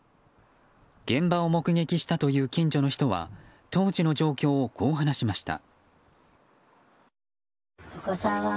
現場を目撃したという近所の人は当時の状況をこう話しました。